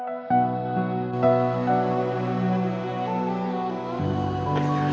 udah aku gingin kitanaires kita sama dulu nino